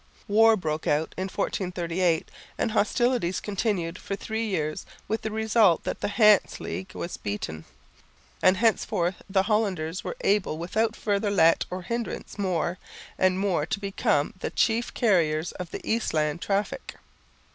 War broke out in 1438 and hostilities continued for three years with the result that the Hanse League was beaten, and henceforth the Hollanders were able without further let or hindrance more and more to become the chief carriers of the "Eastland" traffic.